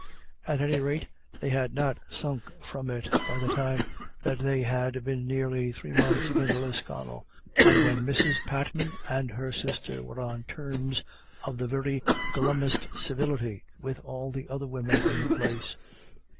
At any rate, they had not sunk from it by the time that they had been nearly three months in Lisconnel, and when Mrs. Patman and her sister were on terms of the very glummest civility with all the other women in the place.